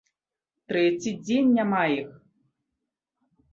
Трэці дзень няма іх.